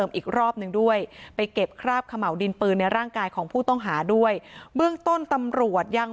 เมื่อนบ้างก็ยืนยันว่ามันเป็นแบบนั้นจริง